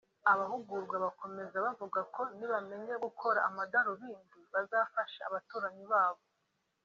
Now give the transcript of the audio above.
Abahugurwa bakomeza bavuga ko nibamenya gukora amadarubindi bazafasha abaturanyi ba bo